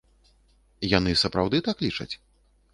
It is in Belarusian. Яны сапраўды так лічаць?